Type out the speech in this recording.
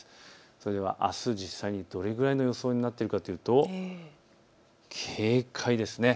それではあす実際にどれくらいの予想になっていくかというと警戒です。